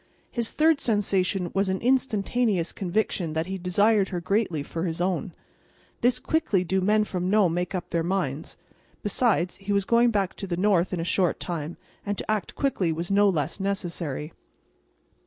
His third sensation was an instantaneous conviction that he desired her greatly for his own. This quickly do men from Nome make up their minds. Besides, he was going back to the North in a short time, and to act quickly was no less necessary.